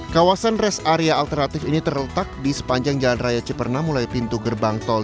kawasan rest area alternatif ini terletak di sepanjang jalan raya ciperna mulai pintu gerbang tol